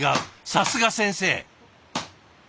さすが先生。